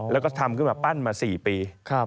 แล้วก็ทำขึ้นมาปั้นมา๔ปี